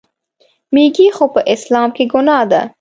میږي خو په اسلام کې ګناه ده.